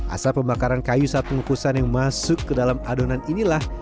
asap pembakaran kayu saat pengukusan yang masuk ke dalam adonan inilah